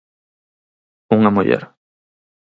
Unha muller.